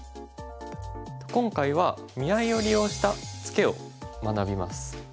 今回は見合いを利用したツケを学びます。